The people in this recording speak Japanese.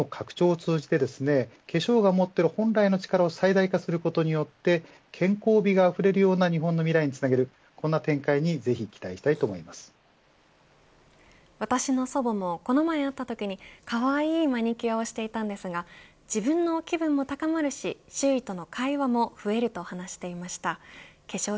これからはこういった美の拡張を通じて化粧が持っている本来の力を最大化することによって健康美があふれるような日本の未来につなげるこんな展開に私の祖母もこの前会ったときにかわいいマニキュアをしていたんですが自分の気分も高まるし周囲との会話も増えると話していました。